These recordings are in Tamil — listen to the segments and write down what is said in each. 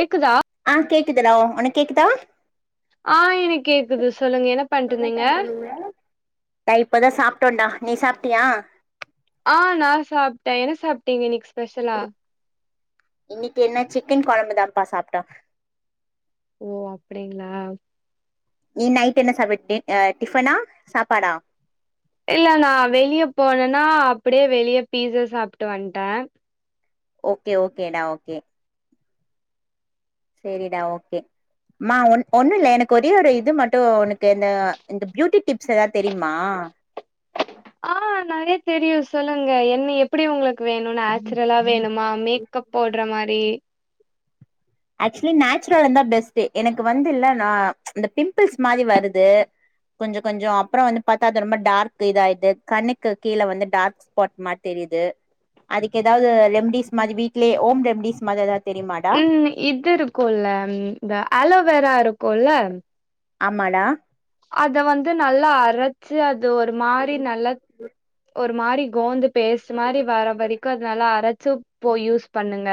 கேக்குதா ஆ கேக்குதுடா ஒனக் கேக்குதா ஆ எனக் கேக்குது சொல்லுங்க என்ன பண்ட்ருந்தீங்க நா இப்பதா சாப்ட்டோண்டா நீ சாப்ட்டியா ஆ நா சாப்ட்டே என்ன சாப்ட்டீங்க இன்னைக்கி ஸ்பெஷலா இன்னைக்கு என்ன சிக்கன் கொழம்பு தான்ப்பா சாப்ட்டோ ஓ அப்டிங்ளா நீ நைட் என்ன சமை அ டிஃபனா சாப்பாடா இல்ல நா வெளிய போனேனா அப்டியே வெளிய பீஸா சாப்ட்டு வந்ட்டே ஓகே ஓகே டா ஓகே செரிடா ஓகே மா ஒன் ஒன்னுல்ல எனக்கு ஒரே ஒரு இது மட்டு உனக்கு இந்த இந்த பியூட்டி டிப்ஸ் எதாவ்து தெரியிமா ஆ நெறையா தெரியு சொல்லுங்க என்ன எப்டி உங்களுக்கு வேணு நேச்சுரலா வேணுமா மேக்கப் போட்ற மாரி ஆக்சுலி நேச்சுரல் இருந்தா பெஸ்ட்டு எனக்கு வந்து இல்லன்ன இந்த பிம்பிள்ஸ் மாரி வருது கொஞ்ச கொஞ்சோ அப்றோ வந்து பாத்தா அது ரொம்ப டார்க்கு இதாயிருது கண்ணுக்கு கீழ வந்து டார்க்ஸ் ஸ்பாட் மார் தெரியிது அதுக்கு எதாவ்து ரெம்டிஸ் மாரி வீட்லயே ஹோம் ரெம்டிஸ் மார எதாவ்து தெரியிமா டா ம் இது இருக்குல்ல இந்த ஆலோவேரா இருக்குல்ல ஆமடா அத வந்து நல்லா அரச்சு அது ஒரு மாரி நல்லா ஒரு மாரி கோந்து பேஸ்ட் மாரி வர வரைக்கு அத நல்லா அரச்சு போய் யூஸ் பண்ணுங்க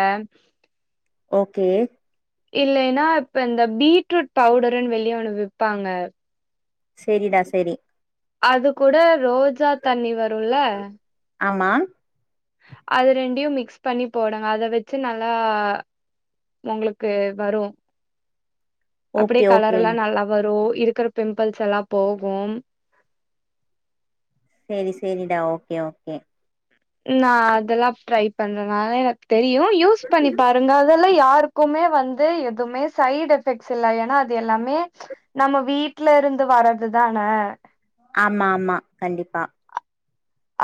ஓகே இல்லேன்னா இப்ப இந்த பீட்ரூட் பவுடருன் வெளியே ஒன்னு விப்பாங்க செரி டா செரி அது கூட ரோஜா தண்ணி வருல ஆமா அது ரெண்டியு மிக்ஸ் பண்ணி போடுங்க அத வச்சு நல்லா உங்களுக்கு வரு அப்படியே ஓகே கலர் ஓகே எல்லா நல்லா வரு இருக்கிற பிம்பிள்ஸ் எல்லா போகும் சேரி சேரிடா ஓகே ஓகே நா அதெல்லா ட்ரை பண்றேனால எனக் தெரியு யூஸ் பண்ணி பாருங்க அத யாருக்குமே வந்து எதுவுமே சைட் எஃபெக்ட்ஸ் இல்ல ஏன்னா அது எல்லாமே நம்ம வீட்ல இருந்து வற்றது தானே ஆமா ஆமா கண்டிப்பா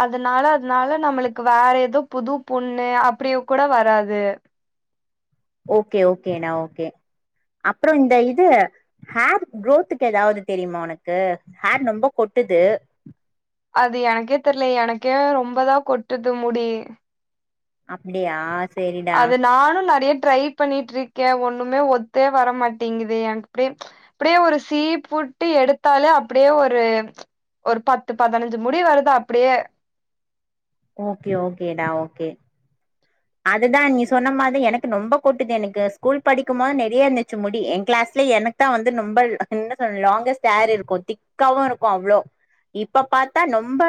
அதனால அதனால நம்மளுக் வேற ஏதோ புது பொண்ணு அப்படியு கூட வராது ஓகே ஓகேண்ணா ஓகே அப்புறோ இந்த இது ஹேர் குரோத்துக்கு எதாவது தெரியுமா உனக்கு ஹேர் ரொம்ப கொட்டுது அது எனக்கே தெரிலயே எனக்கே ரொம்பதா கொட்டுது முடி அப்டியா சேரிடா அது நானு நிறைய ட்ரை பண்ணிட்ருக்கே ஒண்ணுமே ஒத்தே வரமாட்டேங்கிது எனக் அப்டியே ப்படியே ஒரு சீ புட்டு எடுத்தாலே அப்படியே ஒரு ஒரு பத்து பதினஞ்சு முடி வருது அப்டியே ஓகே ஓகேடா ஓகே அதுதா நீ சொன்ன மாதிரி எனக்கு ரொம்ப கொட்டுது எனக்கு ஸ்கூல் படிக்கும்மோ நிறையா இருந்துச்சு முடி என் கிளாஸ்லே எனக் தா வந்து நொம்ப [unintelligible] [unintelligible] லாங்கஸ்ட் ஹேர் இருக்கு திக்காவு இருக்குஅவ்ளோ இப்ப பாத்தா நொம்ப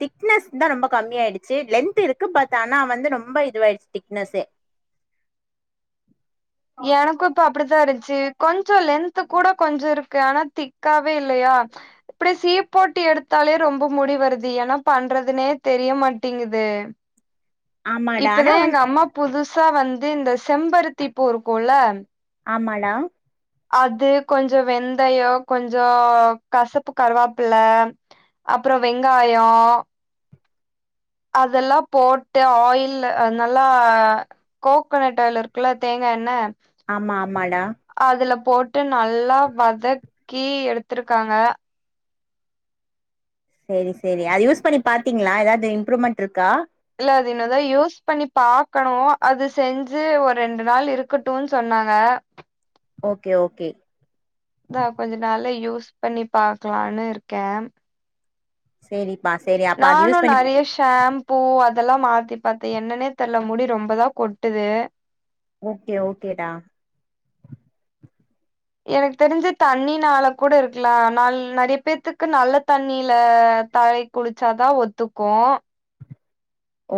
திக்னஸ் தா ரொம்ப கம்மி ஆயிடுச்சு லென்த் இரு க்கு பட் ஆனா வந்து ரொம்ப இதுவாக் திக்னெஸ்சே எனக்கு இப்ப அப்டிதா இருன்ச்சு கொஞ்ச லென்த் கூட கொஞ்ச இருக்கு ஆனா திக்காவே இல்லையா இப்டி சீப் போட்டி எடுத்தாலே ரொம்ப முடி வருது எனா பண்றதுனே தெரியமாட்டேங்குது ஆமாடா ஆனா இப்பதா வந் எங்க அம்மா புதுசா வந்து இந்த செம்பருத்தி பூ இருக்குல ஆமாடா அது கொஞ்ச வெந்தயோ கொஞ்சோ கசப்பு கருவாப்பில்ல அப்றோ வெங்காயோ அதெல்லா போட்டு ஆயில்ல நல்லா கோகோனட் ஆயில் இருக்குல்ல தேங்கா எண்ண ஆமா ஆமாடா அதுல போட்டு நல்லா வதக்கி எடுத்துருக்காங்க சேரி சேரி அது யூஸ் பண்ணி பாத்தீங்ளா எதாவது இம்ப்ரூவ்மெண்ட் இருக்கா இல்ல அது இன்னொதா யூஸ் பண்ணி பாக்கணு அது செஞ்சு ஒரு ரெண்டு நாள் இருக் ட்டுன் சொன்னாங்க ஓகே ஓகே நா கொஞ்ச நாள்ள யூஸ் பண்ணி பாக்கலான்னு இருக்கே சேரிப்பா சேரி அப்ப அது நானு யூஸ் பண்ணி நெறைய ஷாம்பூ அதெல்லாம் மாத்தி பாத்தேன் என்னன்னே தெரல முடி ரொம்பதான் கொட்டுது ஓகே ஓகேடா எனக்கு தெரிஞ்சு தண்ணினால கூட இருக்கலாம் நாள் நிறைய பேத்தக்கு நல்ல தண்ணில தலை க்கு குளிச்சாதான் ஒத்துக்கும்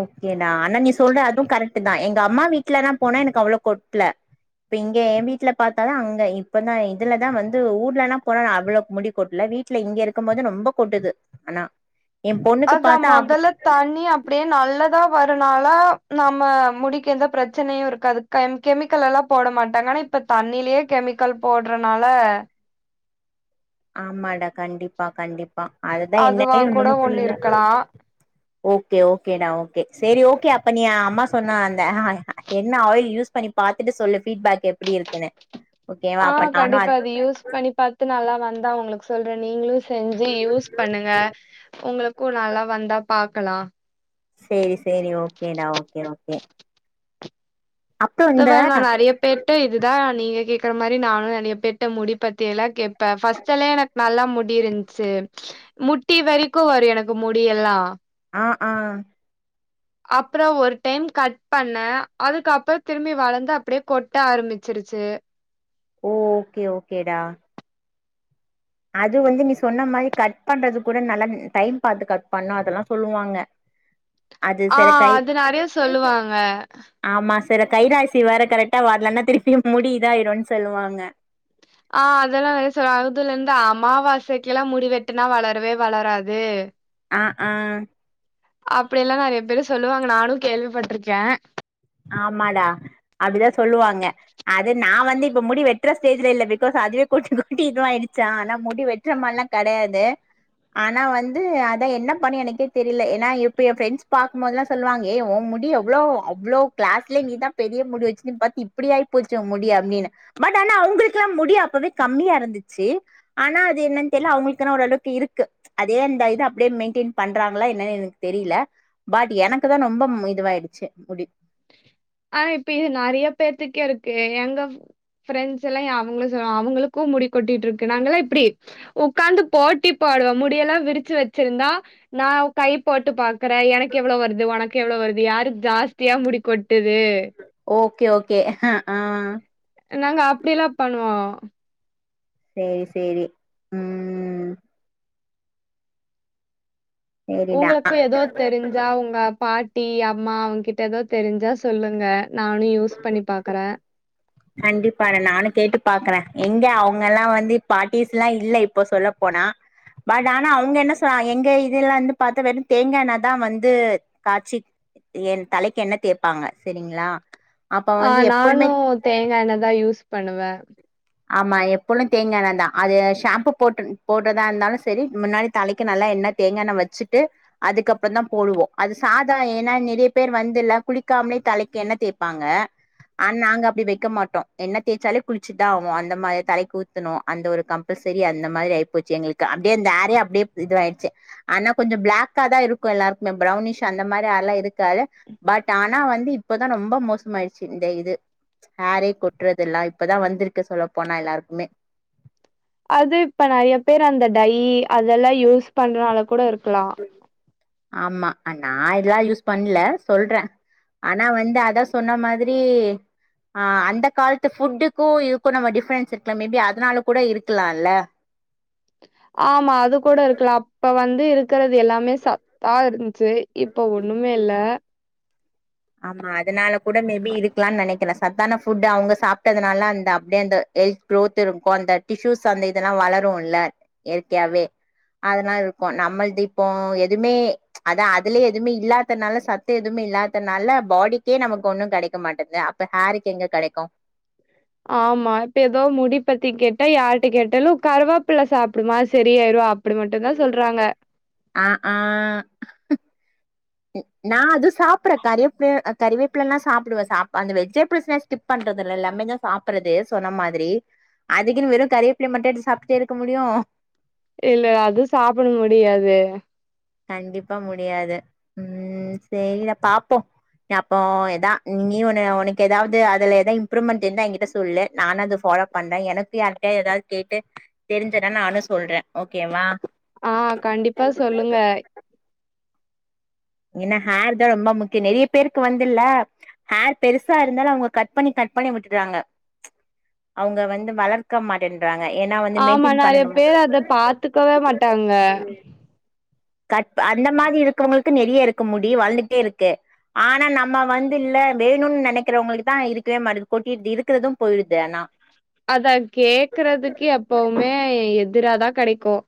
ஓகேடா ஆனா நீ சொல்ற அதுவும் கரெக்ட் தான் எங்க அம்மா வீட்டுலதான் போனா எனக்கு அவ்ளவு கொட்ல இப்ப இங்க என் வீட்டுல பாத்தாதான் அங்க இப்பதான் இதுலதான் வந்து ஊர்லனா போனா அவ்வளவு முடி கொட்டல வீட்டு வீட்ல இங்க இருக்கும் போது ரொம்ப கொட்டுது ஆனா என் பொண்ணுக்கு அதான் பாத்தா அவ் மொதல தண்ணி அப்படியே நல்லதா வரும்னால நம்ம முடிக்கெந்த பிரச்சனையும் இருக்காது கம் கெமிக்கல் எல்லாம் போட மாட்டாங்க ஆனா இப்ப தண்ணிலயே கெமிக்கல் போடுறனால ஆமாடா கண்டிப்பா கண்டிப்பா அதுதான் என்னன்னே அதுவா கூட ஒண்ணும ஒண்ணு புரியல இருக்கலா ஓகே ஓகேடா ஓகே சரி ஓகே அப்ப நீ அம்மா சொன்ன அந்த என்ன ஆயில் யூஸ் பண்ணி பாத்துட்டு சொல்லு ஃபீட்பேக் எப்படி இருக்குன்னு ஓகேவா ஆ அப்ப நானு கண்டிப்பா அது யூஸ் பண்ணிப் பாத்து நல்லா வந்தா உங்ளுக்கு சொல்றேன் நீங்களும் செஞ்சு யூஸ் பண்ணுங்க உங்களுக்கும் நல்லா வந்தா பாக்கலா சேரி சேரி ஓகேடா ஓகே ஓகே அப்றோ இத இந்த வேற நா நிறைய பேர் ட்ட இதுதான் நீங்க கேக்குற மாறி நானும் நிறைய பேற்ட்ட முடி பத்தி எல்லாம் கேட்பே ஃபஸ்ட் எல்லா எனக் நல்லா முடிய இருந்துச்சு முட்டி வரைக்கும் வரும் எனக்கு முடியெல்லாம் ஆ ஆ அப்புறம் ஒரு டைம் கட் பண்ண அதுக்கப்புறம் திரும்பி வளந்து அப்படியே கொட்ட ஆரம்பிச்சிருச்சு ஓகே ஓகேடா அது வந்து நீ சொன்ன மாறி கட் பண்றது கூட நல்லா டைம் பாத்து கட் பண்ணும் அதெல்லாம் சொல்லுவாங்க அது ஆ சில கை அது நெறைய சொல்லுவாங்க ஆமா சில கைராசி வேற கரெக்டா வரலன்னா திருப்பியும் முடி இதாயிடும்ன்னனு சொல்லுவாங்க ஆ அதெல்லாம் நிறைய சொல்லுவாங்க அதுல இருந்து அமாவாசைக்கு எல்லாம் முடி வெட்டுனா வளரவே வளராது ம் ம் அப்படி எல்லாம் நிறைய பேரு சொல்லுவாங்க நானும் கேள்விப்பட்டிருக்கேன் ஆமாடா அப்படிதான் சொல்லுவாங்க அது நான் வந்து இப்ப முடி வெட்டுற ஸ்டேஜ்ல இல்ல பிகாஸ் அதுவே கொட்டி கொட்டி இது ஆயிடுச்சா ஆனா முடி வெ ட்ற மாறி எல்லாம் கெடையாது ஆனா வந்து அதான் என்ன பண்ணி எனக்கே தெரியல ஏன்னா இப்ப என் ஃப்ரெண்ட்ஸ் பாக்கும்போதுல்லாம் சொல்லவாங்க ஏ ஓன் முடி எவ்வளோ அவ்வளோ கிளாஸ்லயே நீதான் பெரிய முடி வச்சு ப பாத்தி இப்படி ஆயி போச்சு முடி அப்படின்னு பட் ஆனா அவங்கக்கெல்லாம் முடி அப்பவே கம்மியா இருந்துச்சு ஆனா அது என்னன்னு தெரியல அவங்களுக்குான ஓரளவுக்கு இருக்கு அதே அந்த இது அப்படியே மெயின்டெயின் பண்றாங்களா என்னன்னு எனக்கு தெரியில பாட் எனக்கு தான் ரொம்ப இதுவாயிடுச்சு முடி ஆனா இப்ப இது நிறைய பேத்துக்கே இருக்கு எங்க ஃபரெண்ட்ஸ் எல்லாம் அவங்களே சொல்லுவாங்க அவங்களுக்கும் முடி கொட்டிட்டு இருக்கு நாங்கல்லாம் இப்படி உக்காந்து போட்டி போடுவோம் முடியெல்லாம் விரிச்சு வச்சிருந்தா நா கை போட்டு பா க்குற எனக்கு எவ்வளவு வருது உனக்கு எவ்வளவு வருது யாரு ஜாஸ்தியா முடிக்கொட்டுது ஓகே ஓகே ஆ நாங்க அப்டிலா பண்ணுவோம் சேரி சேரி ம் சேரிடா ஒங்களுக்கும் ஏதோ தெரிஞ்சா ஒங்க பாட் டி அம்மா அவங்க கிட்ட ஏதோ தெரிஞ்சா சொல்லுங்க நானும் யூஸ் பண்ணி பாக்குறேன் கண்டிப்பா நானும் கேட்டு பாக்குறேன் எங்க அவங்க எல்லா வந்து பார்டிஸ்ல்லாம் இல்ல இப்போ சொல்ல போனா பட் ஆனா அல்ங்க என்ன சொன் எங்க இதுல வந்து பாத்த வெறும் தேங்கா எண்ணெ தா வந்து காய்சி என் தலைக்கு எண்ணெய் தேபாங்க செரிங்களா ஆ நானும் தேங்கா எண்ணெய் தா யூஸ் பண்ணுவேன் ஆமா எப்பளும் தேங்கா எண்ணெய் தான் அது ஷாம்பூ போட்டு போட்டுறதா இருந்தாலும் சரி முன்னாடி தலைக்கு நல்லா எண்ணெய் தேங்கா எண்ணெ வச்சுட்டு அதுக்கப்புறம் தான் போடுவோம் அது சாதா ஏன்னா நிறைய பேர் வந்துல குளிக்காமலே தலைக்கு என்ன தேய்பாங்க ஆனா நாங்க அப்டி வைக்க மாட்டோம் எண்ணெய் தேய்ச்சாலே குளிச்சிட் டாவோம் அந்த மாரி தலைக்கு ஊத்துனோம் அந்த ஒரு கம்பல்சரி அந்த மாரி ஆய் போச்சு எங்களுக்கு அப்டியே அந்த ஹேர் அப்டி இது ஆயிடுச்சு ஆனா கொஞ்சோ பிளாக்கா தா இருக்கும் எல்லாருக்கும் பிரௌனிஷ் அந்த மாரி ஹார்லாம் இருக்காது பட் ஆனா வந்து இப்பதான் ரொம்ப மோசமாயிடுச்சு இந்த இது ஹரே கொட்றது எல்லாம் இப்பதான் வந்துருக்கு சொல்லப்போனா எல்லாருக்குமே அது இப்ப நெறய பேர் அந்த டை அதெல்லாம் யூஸ் பண்றனால கூட இருக்கலாம் ஆமா நா இதெல்லாம் யூஸ் பண்ணல சொல்றேன் ஆனா வந்து அத சொன்ன மாதிரி ஆ அந்த காலத்து ஃபுட்டுக்கும் இதுக்கும் நம்ம டிஃபரன்ஸ் இருக்கலாம் மேபி அதனால கூட இருக்கலாம்ல்ல ஆமா அது கூட இருக்கலாம் அப்ப வந்து ருக்கறது எல்லாமே சத்தா இருந்துச்சு இப்ப ஒண்ணுமே இல்ல ஆமா அதனால கூட மேபி இருக்கலாம் நெனைக்கிறேன் சத்தான ஃபுட் அவங்க சாப்ட்டதுனால அந்த அப்டியே அந்த ஹெல்த் குரோத் இருக்கும் அந்த டிஷ்யூஸ் அந்த இதெல்லாம் வளரும் இல்ல இயற்கையாவே அதனால இருக்கும் நம்மள்து இப்போ எதுமே அதான் அதுலயே எதுமே இல்லாததுனால சத்த எதுமே இல்லா த் நல்ல பாடிக்கே நமக்கு ஒண்ணும் கடைக்க மாட்டேன்து அப்ப ஹேருக்கு எங்க கடைக்கும் ஆமா இப்ப ஏதோ முடி பத்தி கேட்டா யார்ட்ட கேட்டாலும் கருவப்பல சாப்டுமா சரி ஆயிரும் அப்டி மட்டும் தா சொல்றாங்க ஆ ஆ ம் நா அது சாப்பற கருவப்வேப்ல கறிவேப்பிலலாம் சாப்டுவேன் சாப்ப அந்த வெஜிடபிள்ஸ் ஸ்கிப் பண்றது இல்ல எல்லாமே தா சாப்படுறது சொன்ன மாதிரி அதுக்குன் வெறும் கருவேப்பில மட்டும் சாப்ட்டே இருக்க முடியும் இல்ல அது சாப்பட முடியாது கண்டிப்பா முடியாது ம் சேரிடா பாப்போம் அப்போ எதா நீ ஒண்ணு ஒனக்கு ஏதாது அதுல எத இம்ப்ரூவ்மெண்ட் இருந்தா என்கிட்ட சொல்லு நான் அது ஃபாலோ பண்றேன் எனக்கு யாருக்கிட்டா ஏதாது கேட்டு தெரிஞ்சதா நானும் சொல்றேன் ஓகேவா ஆ கண்டிப்பா சொல்லுங்க ஏன்னா ஹார் தான் ரொம்ப முக்கியம் நெறய பேருக்கு வந்துல ஹேர் பெருசா இருந்தாலும் அவங்க கட் பண்ணி கட் பண்ணி விட்டுட்றாங்க அவங்க வந்து வள க்க மாடென்றாங்கா ஏனா வந்து ஆமா மெயின்டெய்ன் நெறைய பண்ணணும் பேர் அத பாத்துக்கவே மாட்டாங்க. கட் அந்த மாரி இருக்கவங்களுக்கு நெறைய இருக்கு முடி வழந்துட்டே இருக்கு ஆனா நம்ம வந்து இல்ல வேணும்னு நெனைக்கிறவங்களுக்கு தான் இருக்கவே மாட்டுது கொட்டிது இருக்கிறதும் போயிடுதுனா அத கேக்குறதுக்கு எப்பவுமே எதிராதான் கடைக்கும்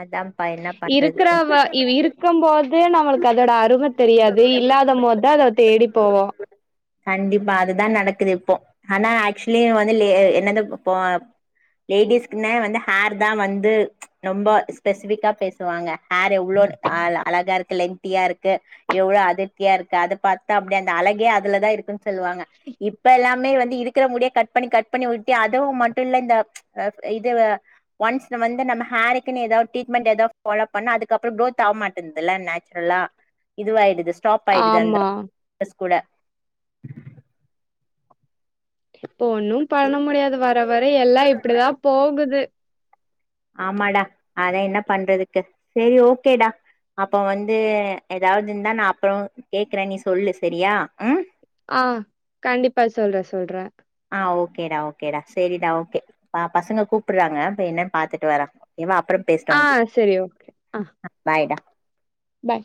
அதான் பயம இருக்கறாவ இவ இருக்கு போது நம்மளுக்கு அதோட அரும தெரியாது இல்லாத மோதா அத தேடி போவோ கண்டிப்பா அதுதா நடக்குது இப்போ ஆனா ஆக்சுவலி வந்து என்னது இப்போ லேடிஸ்க்குன்னே வந்து ஹேர் தான் வந்து ரொம்ப ஸ்பெசிஃபிக்கா பேசுவாங்க ஹேர் எவ்ளோ அ அழகா இருக்கு லெந்தியா இருக்கு எவ்வளவு அடைத்திய இருக்கு அத பாத்தா அப்டியே அந்த அழகே அதுலதா இருக்குன்னு சொல்லுவாங்க இப்ப எல்லாமே வந்து இருக்கிற முடியா கட் பண்ணி கட் பண்ணி விட்ட அதுவு மட்டு இல்ல இந்த அ இதவ ஒன்ஸ் நம் வந்து நம்ம ஹேருக்கு எதாவ் டரீட்மெண்ட் ஏதாவ் பாலோப் பண்ண அதுக்கப்றோ க்ரௌத் ஆவ மாட்டன்தில்ல எல்லா இது ஆயிடுது ஸ்டாப் ஆயடுது அந்த ஆமா. பஸ் கூட போ ஒண்ணு பண்ண முடியாது வர வர எல்லா இப்டிதா போகுது ஆமாடா அதா என்ன பண்றதுக்கு சரி ஓகேடா அப்ப வந்து ஏதாவ்து இருந்தா நான் அப்றோ கேக்குறே நீ சொல்லு சரியா ம் ஆ கண்டிப்பா சொல்ற சொல்ற ஆ ஓகேடா ஓகேடா சரிடா ஓகே பசங்க கூப்பறாங்க போய் என்னன்னு பாத்துட்டு வர கேவா அப்றம் ஆ பேசுறாங்க கிட் சரி ஓகே ஆ பாய் டா பாய்